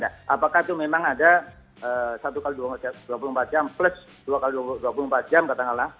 apakah itu memang ada satu x dua puluh empat jam plus dua x dua puluh empat jam katakanlah